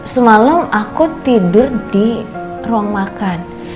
semalam aku tidur di ruang makan